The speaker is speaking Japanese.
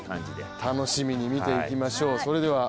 楽しみに見ていきましょう。